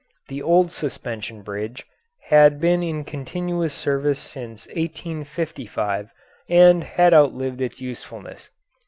The old suspension bridge had been in continuous service since 1855 and had outlived its usefulness.